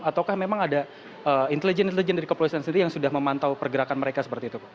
ataukah memang ada intelijen intelijen dari kepolisian sendiri yang sudah memantau pergerakan mereka seperti itu